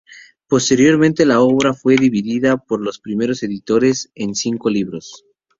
Posteriormente la obra fue dividida por los primeros editores en cinco libros.